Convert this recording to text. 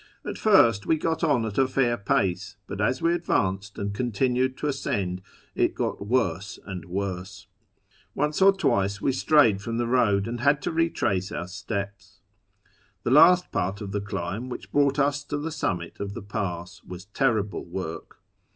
At first we got on at a fair pace, but as we advanced and continued to ascend it got worse and worse. Once or twice we strayed from the road, and had to retrace our steps. The last part of the climb which brought us to the summit of the pass was terrible work.